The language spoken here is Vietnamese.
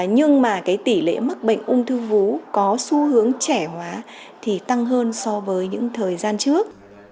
nhưng mà cái tỷ lệ mắc bệnh ung thư vú có xu hướng trẻ hóa thì tăng hơn so với những thời gian trước